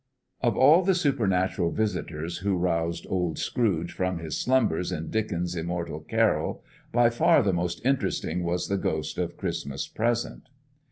Of all the supernatural visitors who roused old Scrooge from his slumbers in Dickens' immortal "Carol," by far the most interesting was the Ghost of Christmas Present.